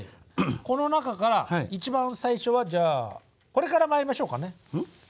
この中から一番最初はじゃあこれからまいりましょうかね。